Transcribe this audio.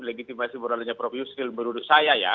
legitimasi moralnya prof yusri menurut saya ya